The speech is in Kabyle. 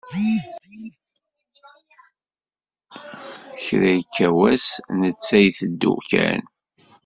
Kra yekka wass netta iteddu kan.